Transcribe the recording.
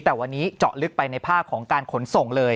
แต่วันนี้เจาะลึกไปในภาคของการขนส่งเลย